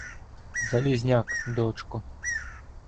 — Залізняк, дочко.